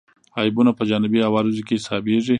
عیبونه په جانبي عوارضو کې حسابېږي.